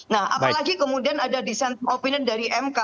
nah apalagi kemudian ada dissentif opinion dari mk